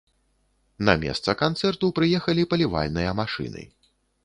На месца канцэрту прыехалі палівальныя машыны.